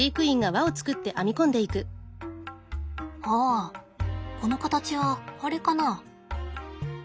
あこの形はあれかな？